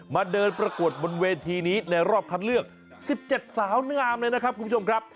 เดินประกวดบนเวทีนี้ในรอบคัดเลือก๑๗สาวงามเลยนะครับคุณผู้ชมครับ